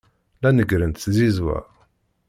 La neggrent tzizwa.